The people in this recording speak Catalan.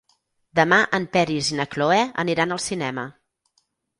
Demà en Peris i na Cloè aniran al cinema.